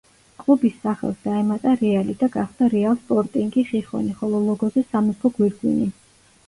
კლუბის სახელს დაემატა „რეალი“ და გახდა „რეალ სპორტინგი ხიხონი“, ხოლო ლოგოზე სამეფო გვირგვინი.